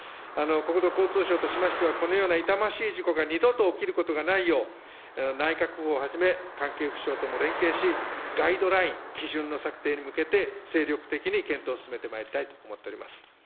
国土交通省としましては、このような痛ましい事故が二度と起きることがないよう、内閣府をはじめ、関係府省とも連携し、ガイドライン、基準の策定に向けて、精力的に検討を進めてまいりたいと思っております。